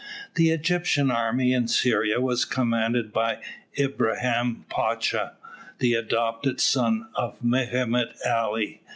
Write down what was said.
The Egyptian army in Syria was commanded by Ibrahim Pacha, the adopted son of Mehemet Ali.